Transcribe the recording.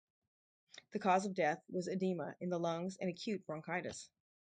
The cause of death was edema in the lungs and acute bronchitis.